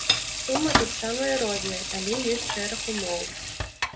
Сумы тут самыя розныя, але ёсць шэраг умоў.